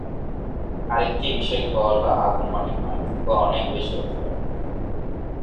আরেকটি বিষয় গল, আগমনের পার্থক্য অনেক বেশি হতে পারে।